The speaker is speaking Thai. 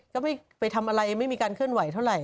ก็ไม่ไปทำอะไรไม่มีการเคลื่อนไหวเท่าไหร